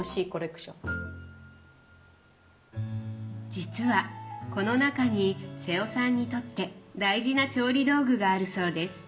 実はこの中に瀬尾さんにとって大事な調理道具があるそうです。